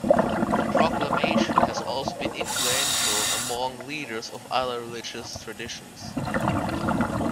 The Proclamation has also been influential among leaders of other religious traditions.